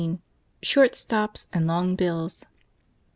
Short stops and long bills.